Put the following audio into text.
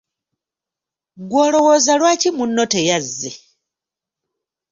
Ggwe olowooza lwaki munno teyazze?